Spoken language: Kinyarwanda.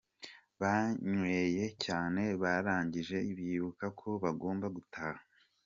Banyweye cyane barangije bibuka ko bagomba gutaha.